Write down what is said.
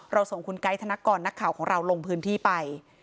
ส่งคุณไกด์ธนกรนักข่าวของเราลงพื้นที่ไป